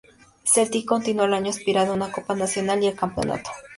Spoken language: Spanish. Celtic continuó el año aspirando a una copa nacional y al campeonato.